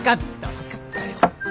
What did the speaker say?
分かったよ。